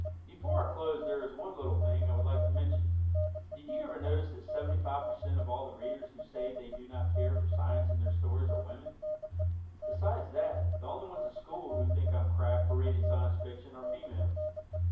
Before I close there is one little thing I would like to mention. Did you ever notice that 75% of all the Readers who say they do not care for science in their stories are women? [?] Besides that, the only ones at school who think I'm "cracked" for reading Science Fiction are females.